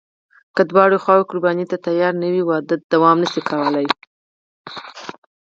که دواړه خواوې قرباني ته تیارې نه وي، واده دوام نشي کولی.